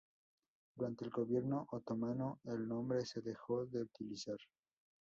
Durante el gobierno otomano el nombre se dejó de utilizar.